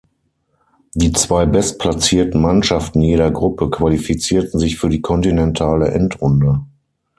Die zwei bestplatzierten Mannschaften jeder Gruppe qualifizierten sich für die Kontinentale Endrunde.